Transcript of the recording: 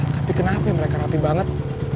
tapi kenapa mereka rapi banget